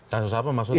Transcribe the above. kasus apa maksudnya